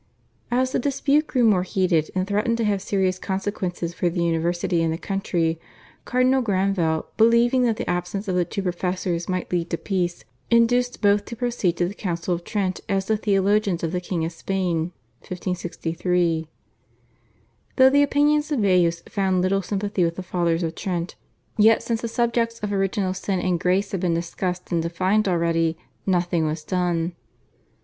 As the dispute grew more heated and threatened to have serious consequences for the university and the country, Cardinal Granvelle, believing that the absence of the two professors might lead to peace, induced both to proceed to the Council of Trent as the theologians of the King of Spain (1563). Though the opinions of Baius found little sympathy with the Fathers of Trent, yet since the subjects of Original Sin and Grace had been discussed and defined already, nothing was done.